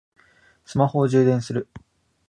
スマホを充電する